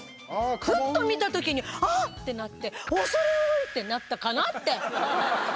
ふっと見たときにあーってなっておそれ多い！ってなったかなって。